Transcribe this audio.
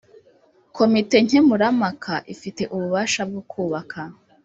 komite nkemurampaka ifite ububasha bwo kubaka